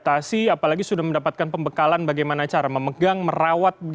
apalagi sudah mendapatkan pembekalan bagaimana cara memegang merawat